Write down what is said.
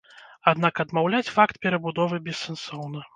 Аднак адмаўляць факт перабудовы бессэнсоўна.